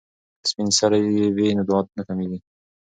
که سپین سرې وي نو دعا نه کمیږي.